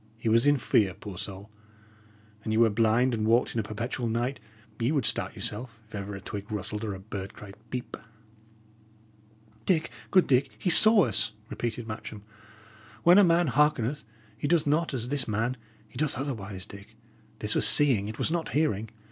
He was in fear, poor soul! An ye were blind, and walked in a perpetual night, ye would start yourself, if ever a twig rustled or a bird cried 'Peep.'" "Dick, good Dick, he saw us," repeated Matcham. "When a man hearkeneth, he doth not as this man; he doth otherwise, Dick. This was seeing; it was not hearing.